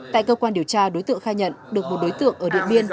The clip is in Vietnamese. tại cơ quan điều tra đối tượng khai nhận được một đối tượng ở điện biên